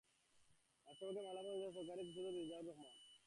রাষ্ট্রপক্ষে মামলা পরিচালনা করছেন সরকারি কৌঁসুলি সৈয়দ রেজাউর রহমান।